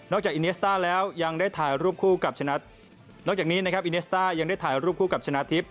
นอกจากอิเนสต้าแล้วยังได้ถ่ายรูปคู่กับชนะทิฟต์